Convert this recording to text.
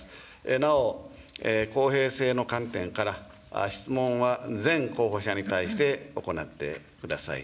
なお、公平性の観点から、質問は全候補者に対して行ってください。